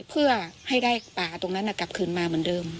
เพื่อให้ได้ป่าตรงนั้นกลับคืนมาเหมือนเดิม